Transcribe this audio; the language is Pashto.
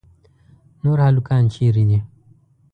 نور هلکان چیرې دي؟